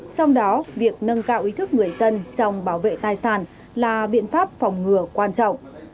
trong đó việc nâng cao ý thức người dân trong bảo vệ tài sản là biện pháp phòng ngừa quan trọng